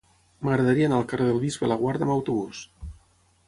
M'agradaria anar al carrer del Bisbe Laguarda amb autobús.